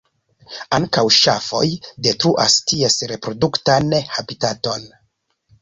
Ankaŭ ŝafoj detruas ties reproduktan habitaton.